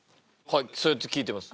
そうやって聞いてます。